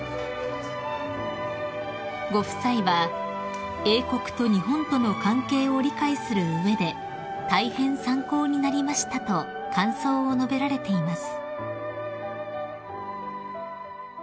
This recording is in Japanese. ［ご夫妻は「英国と日本との関係を理解する上で大変参考になりました」と感想を述べられています］